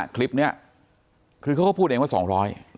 คลิปนี้คือเขาก็พูดเองว่าสองร้อย